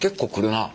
なあ。